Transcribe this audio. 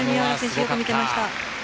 よく見ていました。